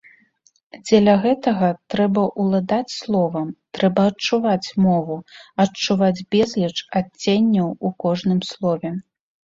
Дзеля гэтага трэба ўладаць словам, трэба адчуваць мову, адчуваць безліч адценняў у кожным слове.